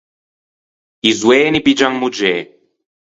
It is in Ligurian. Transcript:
I zoeni piggian moggê.